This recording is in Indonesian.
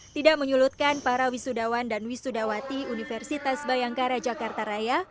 tidak menyulutkan para wisudawan dan wisudawati universitas bayangkara jakarta raya